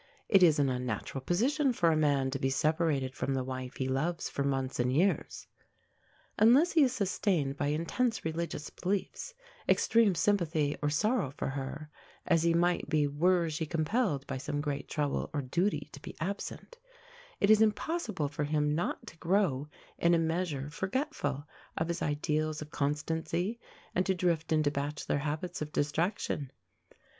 It is an unnatural position for a man to be separated from the wife he loves for months and years. Unless he is sustained by intense religious beliefs, extreme sympathy or sorrow for her (as he might be were she compelled by some great trouble or duty to be absent), it is impossible for him not to grow in a measure forgetful of his ideals of constancy, and to drift into bachelor habits of distraction.